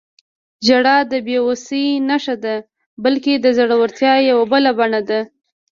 • ژړا د بې وسۍ نښه نه ده، بلکې د زړورتیا یوه بله بڼه ده.